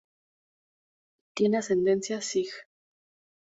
Tiene ascendencia sij.